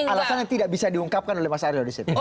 alasannya tidak bisa diungkapkan oleh mas arya disitu